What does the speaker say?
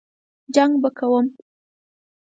جنګ به کوم.